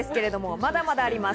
まだまだあります。